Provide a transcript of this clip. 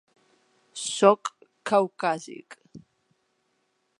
Sóc caucàsic.